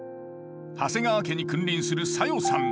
長谷川家に君臨する小夜さん。